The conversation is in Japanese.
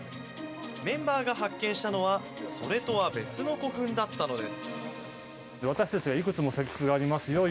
メンバーが発見したのは、それとは別の古墳だったのです。